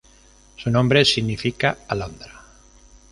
Su nombre significa alondra.